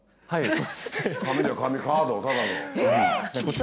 はい。